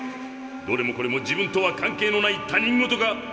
どれもこれも自分とは関係のない他人事か？